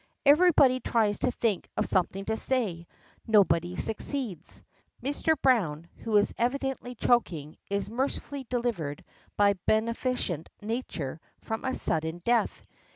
Everybody tries to think of something to say; nobody succeeds. Mr. Browne, who is evidently choking, is mercifully delivered by beneficent nature from a sudden death.